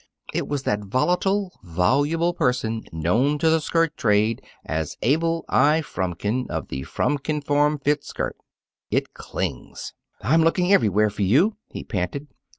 It was that volatile, voluble person known to the skirt trade as Abel I. Fromkin, of the "Fromkin Form fit Skirt. It Clings!" "I'm looking everywhere for you!" he panted.